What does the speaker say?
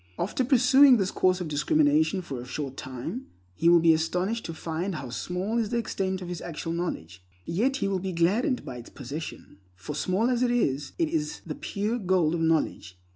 After pursuing this course of discrimination for a short time, he will be astonished to find how small is the extent of his actual knowledge; yet he will be gladdened by its possession, for small as it is, it is the pure gold of knowledge.